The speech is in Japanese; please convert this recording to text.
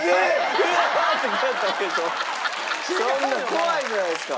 そんな怖いじゃないですか。